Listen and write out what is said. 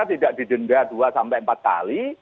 tidak didenda dua sampai empat kali